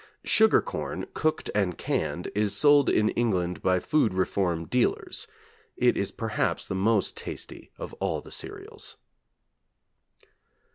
Sugar corn, cooked and canned, is sold in England by food reform dealers. It is perhaps the most tasty of all the cereals.